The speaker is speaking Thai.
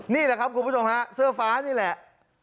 นี่แหละครับคุณผู้ชมฮะเสื้อฟ้านี่แหละ